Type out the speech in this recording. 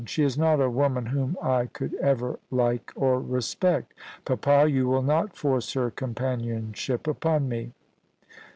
She is not a woman whom I could ever like or respect Papa, you will not force her companionship upon me.'